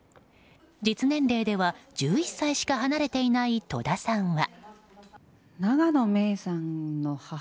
実年齢では１１歳しか離れていない戸田さんは。